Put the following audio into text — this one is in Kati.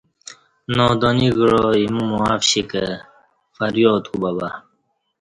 نادانی کعا اِیمو معاف کشی کہ فریاد کوبہ بہ